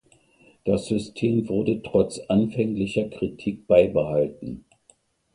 Das System wurde trotz anfänglicher Kritik beibehalten.